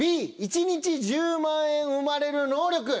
Ｂ１日１０万円生まれる能力。